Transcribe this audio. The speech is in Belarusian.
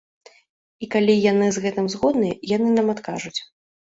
І калі яны з гэтым згодныя, яны нам адкажуць.